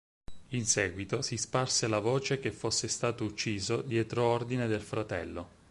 In seguito si sparse la voce che fosse stato ucciso dietro ordine del fratello.